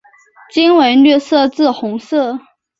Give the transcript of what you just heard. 茎为绿色至红色。